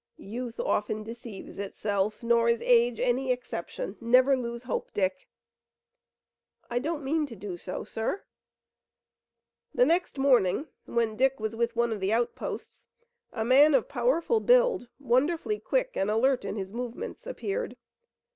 "Youth often deceives itself, nor is age any exception. Never lose hope, Dick." "I don't mean to do so, sir." The next morning, when Dick was with one of the outposts, a man of powerful build, wonderfully quick and alert in his movements, appeared.